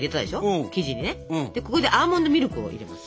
ここでアーモンドミルクを入れます。